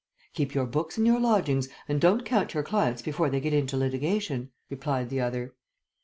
"Keep your books in your lodgings, and don't count your clients before they get into litigation," replied the other.